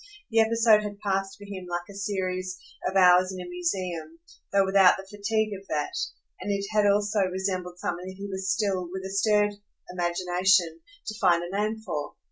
The episode had passed for him like a series of hours in a museum, though without the fatigue of that; and it had also resembled something that he was still, with a stirred imagination, to find a name for.